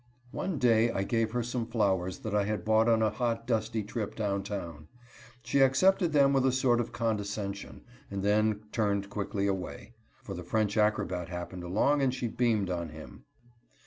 One day I gave her some flowers that I had bought on a hot, dusty trip downtown. She accepted them with a sort of condescension, and then turned quickly away, for the French acrobat happened along, and she beamed on him.